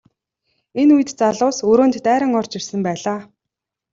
Энэ үед залуус өрөөнд дайран орж ирсэн байлаа.